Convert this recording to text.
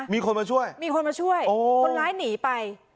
มีคนมาช่วยมีคนมาช่วยคนร้ายหนีไป